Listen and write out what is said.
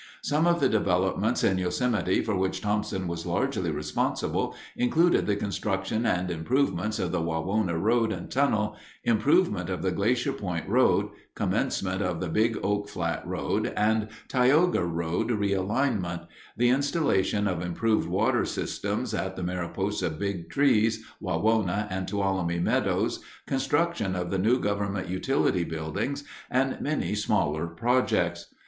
Some of the developments in Yosemite for which Thomson was largely responsible included the construction and improvements of the Wawona Road and Tunnel, improvement of the Glacier Point Road, commencement of the Big Oak Flat Road and Tioga Road realignment, the installation of improved water systems at the Mariposa Big Trees, Wawona, and Tuolumne Meadows, construction of the new Government Utility Building, and many smaller projects.